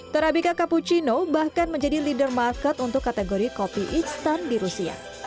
terabika cappuccino bahkan menjadi leader market untuk kategori kopi instan di rusia